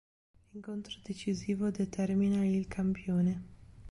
L'incontro decisivo determina il campione.